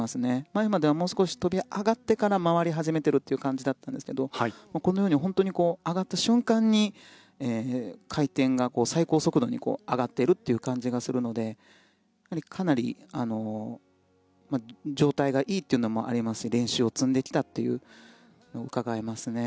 前まではもう少し跳び上がってから回り始めているという感じだったんですがこのように本当に上がった瞬間に回転が最高速度に上がっているという感じがするのでかなり状態がいいというのもありますし練習を積んできたというのがうかがえますね。